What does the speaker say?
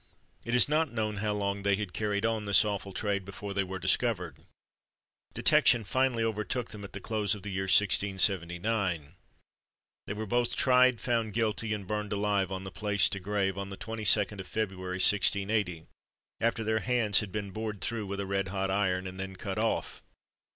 It is not known how long they had carried on this awful trade before they were discovered. Detection finally overtook them at the close of the year 1679. They were both tried, found guilty, and burned alive on the Place de Grève, on the 22d of February, 1680, after their hands had been bored through with a red hot iron, and then cut off.